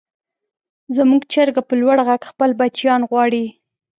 زموږ چرګه په لوړ غږ خپل بچیان غواړي.